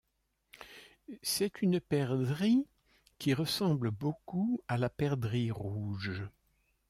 C'est une perdrix qui ressemble beaucoup à la perdrix rouge.